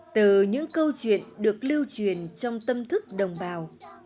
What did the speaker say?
từ những câu chuyện được lưu truyền trong tâm thức đồng bào